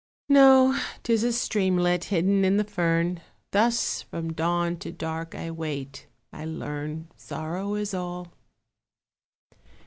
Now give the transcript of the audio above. No, 'tis a streamlet hidden in the fern, Thus from dawn to dark I wait, I learn Sorrow is all.